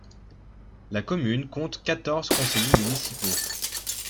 La commune compte quatorze conseillers municipaux.